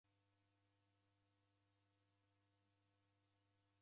Maghanga ndeghiko w'ughangenyi.